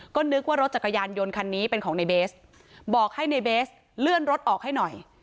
ก็นึกว่ารถจักรยานยนต์คันนี้เป็นของในเบสบอกให้ในเบสเลื่อนรถออกให้หน่อย